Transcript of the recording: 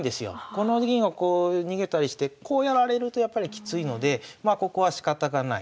この銀をこう逃げたりしてこうやられるとやっぱりきついのでまあここはしかたがない。